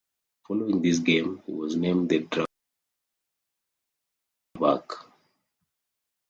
Following this game, he was named the Dragons' starting quarterback.